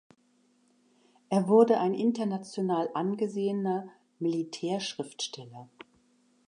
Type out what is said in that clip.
Er wurde ein international angesehener "Militärschriftsteller".